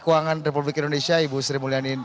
keuangan republik indonesia ibu sri mulyani